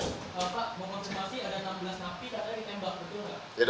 pak mengontrol masih ada enam belas